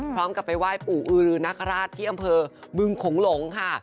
พร้อมกับไปไหว้ปู่อือรือนคราชที่อำเภอบึงขงหลงค่ะ